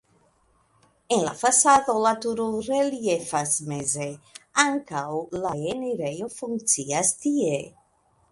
En la fasado la turo reliefas meze, ankaŭ la enirejo funkcias tie.